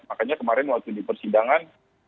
makanya kemarin waktu di persidangan